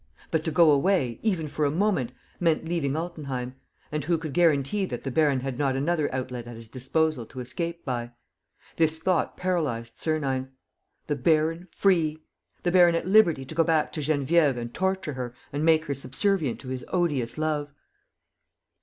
But to go away, even for a moment, meant leaving Altenheim; and who could guarantee that the baron had not another outlet at his disposal to escape by? This thought paralyzed Sernine. The baron free! The baron at liberty to go back to Geneviève and torture her and make her subservient to his odious love!